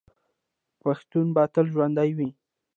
پښتون به تل ژوندی وي.